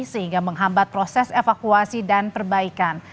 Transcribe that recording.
sehingga menghambat proses evakuasi dan perbaikan